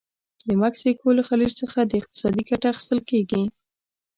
د مکسیکو له خلیج څخه څه اقتصادي ګټه اخیستل کیږي؟